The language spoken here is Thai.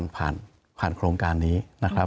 ผ่านโครงการนี้นะครับ